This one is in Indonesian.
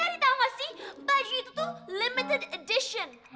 daddy tau gak sih baju itu tuh limited edition